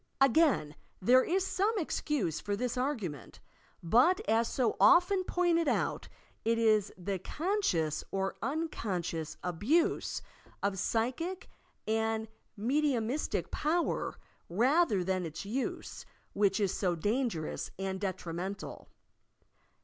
Again there is some excuse for this argument ; but as so often pointed out, it is the conscious or unconscious abtise of psychic and medi umistic power rather than its use, which is so dangerous and detrimental.